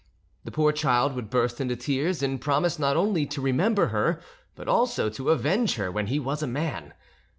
The poor child would burst into tears and promise not only to remember her but also to avenge her when he was a man.